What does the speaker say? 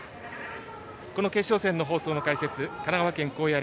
この決勝戦の放送の解説神奈川県高野